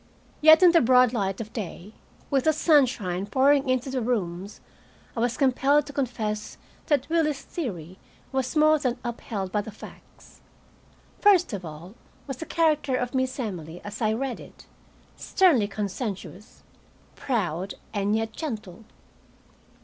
Yet, in the broad light of day, with the sunshine pouring into the rooms, I was compelled to confess that Willie's theory was more than upheld by the facts. First of all was the character of Miss Emily as I read it, sternly conscientious, proud, and yet gentle.